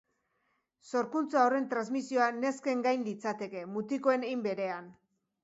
Sorkuntza horren transmisioa nesken gain litzateke, mutikoen hein berean.